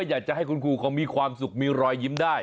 อยากจะให้คุณครูเขามีความสุขมีรอยยิ้มได้